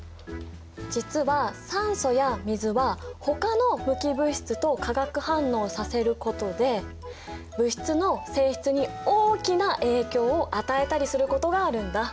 実は酸素や水はほかの無機物質と化学反応させることで物質の性質に大きな影響を与えたりすることがあるんだ。